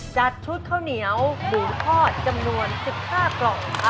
จัดชุดข้าวเหนียวหมูทอดจำนวน๑๕กล่อง